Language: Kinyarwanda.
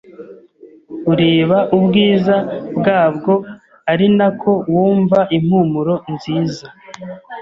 ureba ubwiza bwabwo ari na ko wumva impumuro nziza